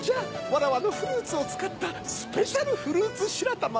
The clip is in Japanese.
わらわのフルーツをつかったスペシャルフルーツしらたまは。